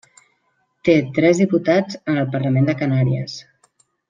Té tres diputats en el Parlament de Canàries.